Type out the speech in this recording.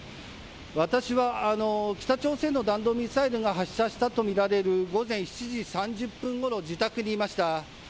私は、北朝鮮の弾道ミサイルが発射したとみられる午前７時３０分ごろ自宅にいました。